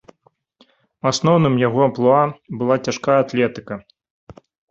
Асноўным яго амплуа была цяжкая атлетыка.